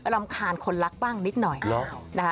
รำคาญคนรักบ้างนิดหน่อยนะคะ